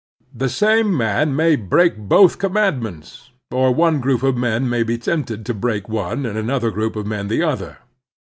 The same man may break both commandments, or one group of men may be tempted to break one and another group of men the other.